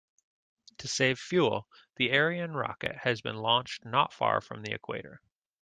To save fuel, the Ariane rocket has been launched not far from the equator.